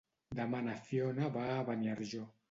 Demà na Fiona va a Beniarjó.